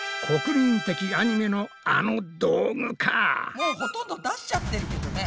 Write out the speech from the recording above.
もうほとんど出しちゃってるけどね。